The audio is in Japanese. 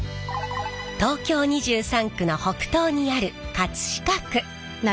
東京２３区の北東にある飾区。